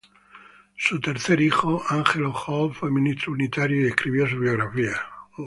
Su tercer hijo, Angelo Hall, fue ministro unitario y escribió su biografía.